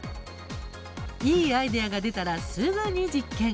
いいアイデアが出たらすぐに実験。